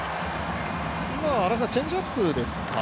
今の、チェンジアップですか。